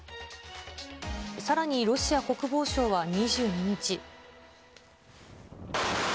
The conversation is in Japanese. さらにロシア国防省は２２日。